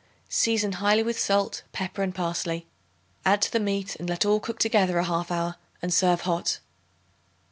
Season highly with salt, pepper and parsley; add to the meat, and let all cook together a half hour and serve hot.